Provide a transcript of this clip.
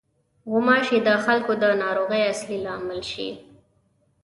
غوماشې د خلکو د ناروغۍ اصلي لامل شي.